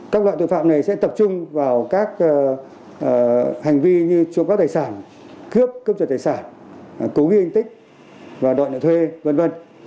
các loại tội phạm này sẽ tập trung vào các hành vi như trộm cắp tài sản cướp cướp giật tài sản cố ghi anh tích và đòi nợ thuê v v